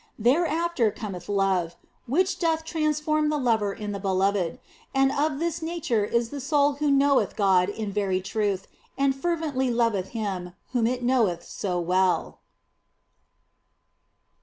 Thereafter cometh love, which doth transform the lover in the beloved, and of this nature is the soul who knoweth God in very truth, and fervently loveth Him whom it knoweth so well.